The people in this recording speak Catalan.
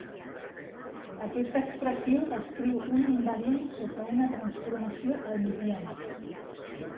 Aquesta expressió descriu una invariant sota una transformació hermitiana.